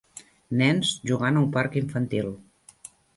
Nens jugant a un parc infantil.